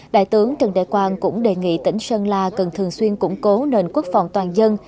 đại tướng trần đại quang cũng đề nghị tỉnh sơn la cần thường xuyên củng cố nền quốc phòng toàn dân